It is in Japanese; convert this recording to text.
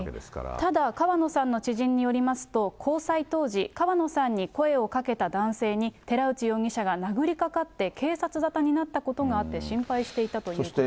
ただ、川野さんの知人によりますと、交際当時、川野さんに声をかけた男性に寺内容疑者が殴りかかって、警察沙汰になったことがあって、心配していたということです。